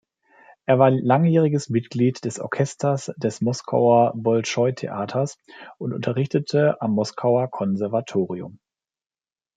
Er war langjähriges Mitglied des Orchesters des Moskauer Bolschoi-Theaters und unterrichtete am Moskauer Konservatorium.